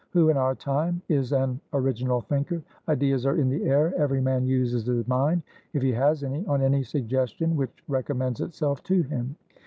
Who, in our time, is an original thinker? Ideas are in the air. Every man uses his mindif he has anyon any suggestion which recommends itself to him.